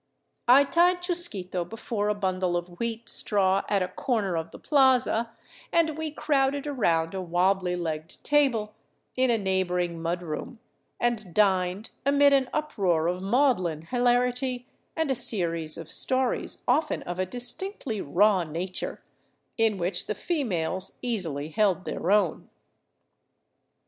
I tied Chusquito before a bundle of wheat straw at a corner of the plaza, and we crowded around a wabbly legged table in a neighbor ing mud room, and dined amid an uproar of maudlin hilarity and a series of stories often of a distinctly " raw " nature, in which the females easily held their own.